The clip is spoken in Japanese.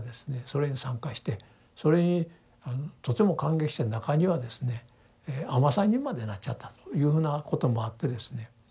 それに参加してそれにとても感激して中にはですね尼さんにまでなっちゃったというふうなこともあってですね。